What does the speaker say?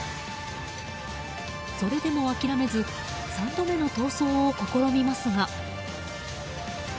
それでも諦めず３度目の逃走を試みますが。